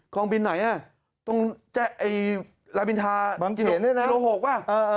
กองบินไหนน่ะตรงละบินทาบิโรหกว่ะ